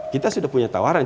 kita sudah punya tawaran